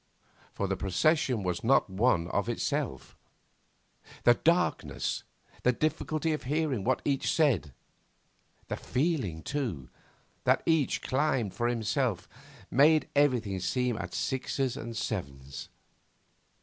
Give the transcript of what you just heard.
For the procession was not one with itself. The darkness, the difficulty of hearing what each said, the feeling, too, that each climbed for himself, made everything seem at sixes and sevens.